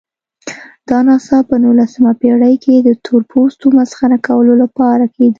دا نڅا په نولسمه پېړۍ کې د تورپوستو مسخره کولو لپاره کېده.